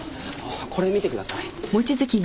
これ見てください。